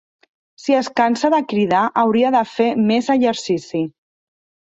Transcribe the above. Si es cansa de cridar hauria de fer més exercici.